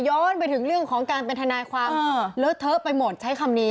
ไปถึงเรื่องของการเป็นทนายความเลอะเทอะไปหมดใช้คำนี้